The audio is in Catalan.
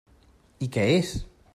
I què és?